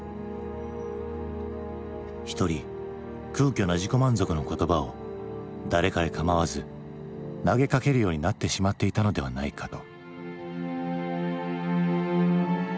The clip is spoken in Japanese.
一人空虚な自己満足の言葉を誰かれ構わず投げかけるようになってしまっていたのではないかと。